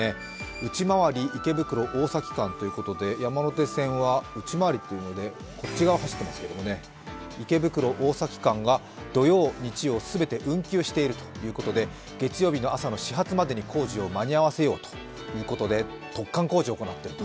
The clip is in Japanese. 内回り、池袋・大崎間ということで山手線は内回りというので内側を走っていますけれども、池袋・大崎間が土曜、日曜、全て運休しているということで、月曜日の朝始発までに工事を間に合わせようということで、突貫工事を行っていると。